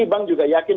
bank juga yakin